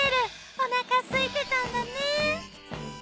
おなかすいてたんだね。